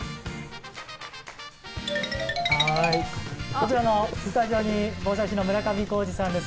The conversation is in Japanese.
こちらのスタジオに防災士の村上浩司さんです。